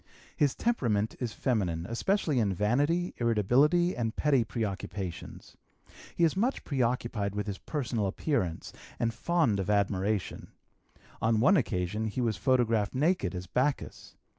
His temperament is feminine, especially in vanity, irritability, and petty preoccupations. He is much preoccupied with his personal appearance and fond of admiration; on one occasion he was photographed naked as Bacchus.